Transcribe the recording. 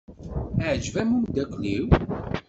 Iɛjeb-am umeddakel-iw?